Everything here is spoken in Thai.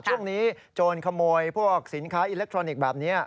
โจรขโมยพวกสินค้าอิเล็กทรอนิกส์แบบนี้